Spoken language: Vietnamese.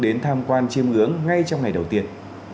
đến tham quan chiêm ngưỡng ngay trong ngày đầu tiên